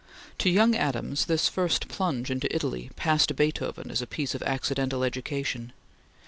To young Adams this first plunge into Italy passed Beethoven as a piece of accidental education.